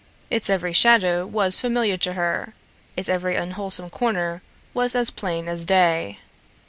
Its every shadow was familiar to her, its every unwholesome corner was as plain as day.